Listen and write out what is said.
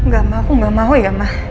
gak mahu gak mahu ya ma